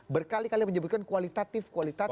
berkali kali menyebutkan kualitatif